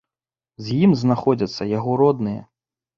З ім знаходзяцца яго родныя.